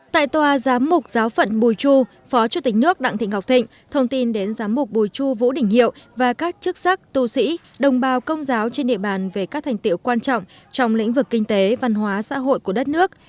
tại tòa giám mục giáo phận bùi chu phó chủ tịch nước đặng thị ngọc thịnh thông tin đến giám mục bùi chu vũ đình hiệu và các chức sắc tu sĩ đồng bào công giáo trên địa bàn về các thành tiệu quan trọng trong lĩnh vực kinh tế văn hóa xã hội của đất nước